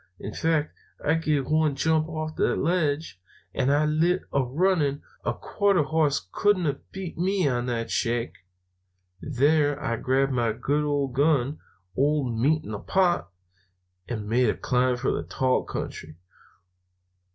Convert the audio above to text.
In fact, I give one jump off that ledge, and I lit a running. A quarter hoss couldn't have beat me to that shack. There I grabbed my good old gun, old Meat in the pot, and made a climb for the tall country."